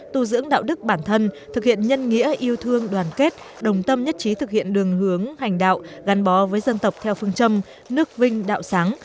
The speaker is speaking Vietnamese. tu dưỡng đạo đức bản thân thực hiện nhân nghĩa yêu thương đoàn kết đồng tâm nhất trí thực hiện đường hướng hành đạo gắn bó với dân tộc theo phương châm nước vinh đạo sáng